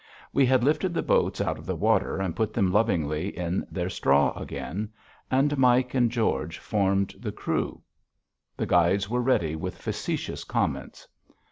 We had lifted the boats out of the water and put them lovingly in their straw again. And Mike and George formed the crew. The guides were ready with facetious comments.